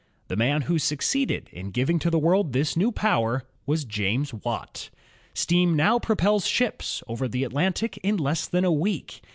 The man who succeeded in giving to the world this new power was James Watt. Steam now propels ships over the At lantic in less than a week.